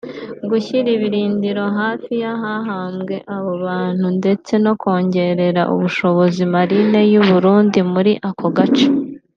gushyira ibirindiro hafi y’ahahambwe abo bantu ndetse no kongerera ubushobozi marine y’u Burundi muri ako gace